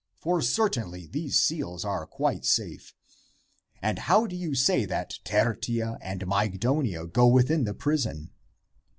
for certainly these seals are quite safe. And how do you say that Tertia and Mygdonia go within the prison?"